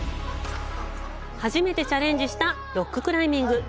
初めてチャレンジしたロッククライミング。